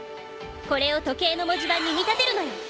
これを時計の文字盤に見立てるのよ。